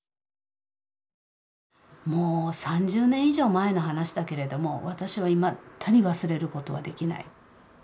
もう３０年以上前の話だけれども私はいまだに忘れることはできない。